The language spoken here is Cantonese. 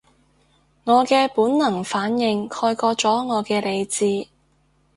我嘅本能反應蓋過咗我嘅理智